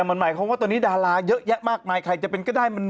ภาคแรกจะเป็น